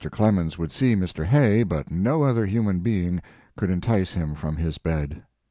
Clemens would see Mr. Hay, but no other human being could entice him from his bed.